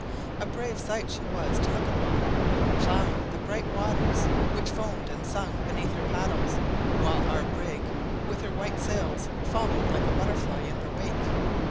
A brave sight she was to look upon; ploughing the bright waters which foamed and sung beneath her paddles; while our brig, with her white sails, followed like a butterfly in her wake.